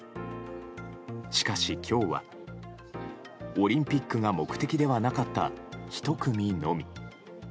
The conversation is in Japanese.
しかし今日は、オリンピックが目的ではなかった１組のみ。